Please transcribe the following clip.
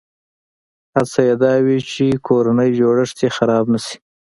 هڅه یې دا وي چې کورنی جوړښت یې خراب نه شي.